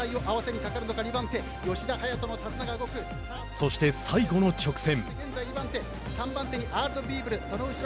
そして、最後の直線。